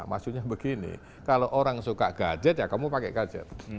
maksudnya begini kalau orang suka gadget ya kamu pakai gadget